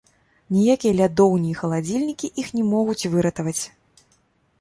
Ніякія лядоўні і халадзільнікі іх не могуць выратаваць.